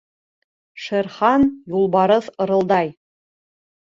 Шер Хан — юлбарыҫ ырылдай: